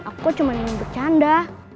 aku cuma ini untuk canda